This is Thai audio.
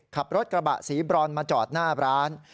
ขับรถกระบะสีบรอนมาจอดหน้าร้าน